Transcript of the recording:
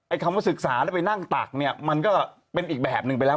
คำว่าศึกษาแล้วไปนั่งตักเนี่ยมันก็เป็นอีกแบบหนึ่งไปแล้ว